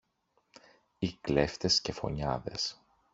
ή κλέφτες και φονιάδες.